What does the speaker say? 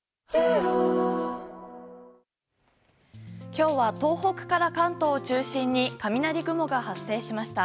今日は東北から関東を中心に雷雲が発生しました。